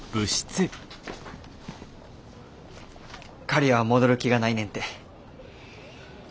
刈谷は戻る気がないねんて。